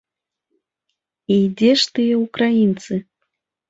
І дзе ж тыя ўкраінцы?